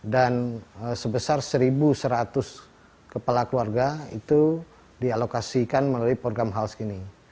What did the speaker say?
dan sebesar satu seratus kepala keluarga itu dialokasikan melalui program hal segini